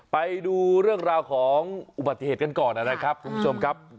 ไปดูเรื่องราวของอุบัติเหตุกันก่อนนะครับคุณผู้ชมครับ